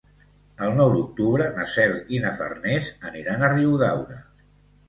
El nou d'octubre na Cel i na Farners aniran a Riudaura.